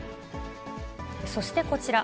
そして、こちら。